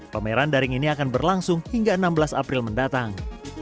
pameran daring ini akan berlangsung hingga enam belas april mendatang